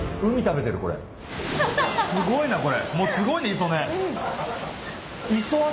すごいなこれ！